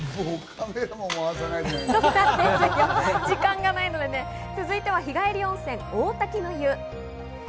時間がないので続いては日帰り温泉・大滝乃湯。